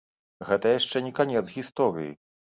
Гэта яшчэ не канец гісторыі!